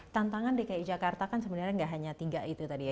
tantangan dki jakarta kan sebenarnya nggak hanya tiga itu tadi ya